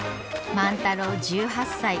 万太郎１８歳。